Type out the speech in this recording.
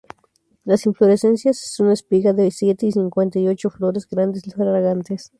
La inflorescencia es una espiga de siete y cincuenta y ocho flores grandes, fragantes.